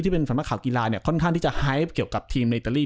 ซึ่งเป็นสำนักข่าวกีฬาเนี่ยค่อนข้างที่จะไฮท์เกี่ยวกับทีมในอิตาลี